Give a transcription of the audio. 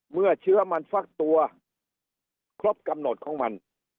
เมื่อเชื้อมันฟักตัวครบกำหนดของมัน